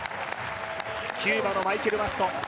キューバのマイケル・マッソ。